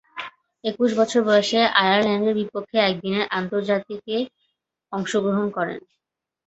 একুশ বছর বয়সে আয়ারল্যান্ডের বিপক্ষে একদিনের আন্তর্জাতিকে অংশগ্রহণ করেন।